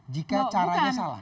jika caranya salah